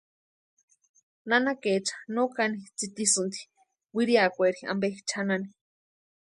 Nanakaecha no kani tsitisïnti wiriakweri ampe chʼanani.